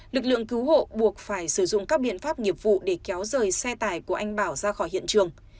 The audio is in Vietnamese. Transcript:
lực lượng cứu hộ buộc phải sử dụng các biện pháp nghiệp vụ để kéo rời xe tải của anh bảo ra khỏi hiện trường